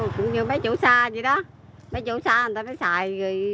còn ở mấy chỗ xa vậy đó mấy chỗ xa người ta mới xài